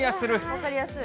分かりやすい。